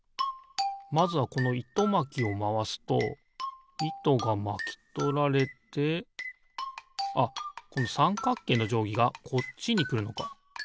まずはこのいとまきをまわすといとがまきとられてあっこのさんかくけいのじょうぎがこっちにくるのか。